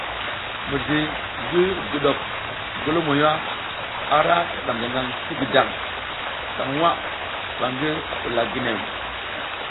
Mizli ngi guɗuk golomoya ara kiɗam gangaŋ ti gǝdaŋ taŋ nwa ɓa ngi ɓula ginew.